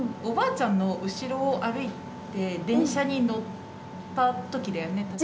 おばあちゃんの後ろを歩いて電車に乗ったときだよね？